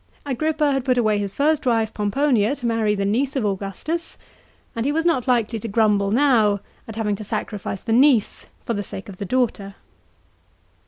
Agrippa had put away his first wife Pomponia to marry the niece of Augustus, and he was not likely to grumble now at having to sacrifice the niece for the sake of the daughter.